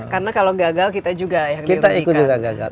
karena kalau gagal kita juga yang diberikan